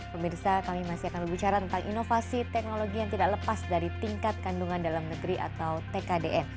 pemirsa kami masih akan berbicara tentang inovasi teknologi yang tidak lepas dari tingkat kandungan dalam negeri atau tkdn